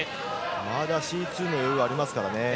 まだカテゴリー２の余裕はありますからね。